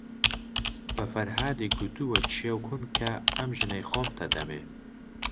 بە فەرهادی گوتووە کێو کون کە، ئەم ژنەی خۆمتە ئەدەمێ؟